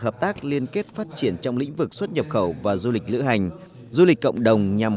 hợp tác liên kết phát triển trong lĩnh vực xuất nhập khẩu và du lịch lữ hành du lịch cộng đồng nhằm